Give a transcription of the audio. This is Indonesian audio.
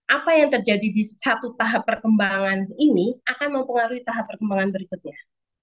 apa yang terjadi di satu tahap perkembangan ini akan mempengaruhi tahap perkembangan berikutnya